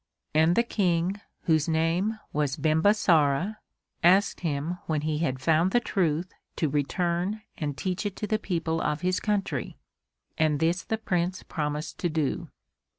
And the King, whose name was Bimbasara, asked him when he had found the truth to return and teach it to the people of his country and this the Prince promised to do.